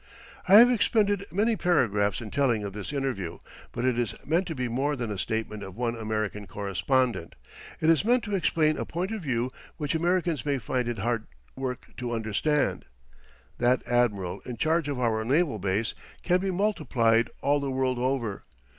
I have expended many paragraphs in telling of this interview, but it is meant to be more than a statement of one American correspondent. It is meant to explain a point of view which Americans may find it hard work to understand. That admiral in charge of our naval base can be multiplied all the world over.